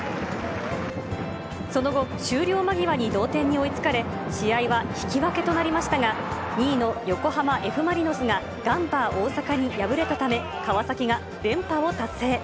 その後、終了間際に同点に追いつかれ、試合は引き分けとなりましたが、２位の横浜Ｆ・マリノスがガンバ大阪に敗れたため、川崎が連覇を達成。